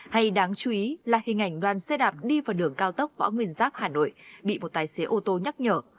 hay đáng chú ý là hình ảnh đoàn xe đạp đi vào đường cao tốc võ nguyên giáp hà nội bị một tài xế ô tô nhắc nhở